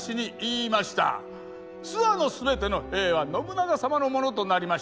「諏訪のすべての兵は信長様のものとなりました。